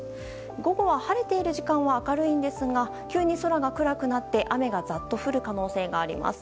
午後は晴れている時間は明るいんですが急に空が暗くなって雨がザッと降る可能性があります。